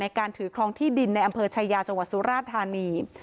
การถือครองที่ดินในอำเภอชายาจังหวัดสุราธานี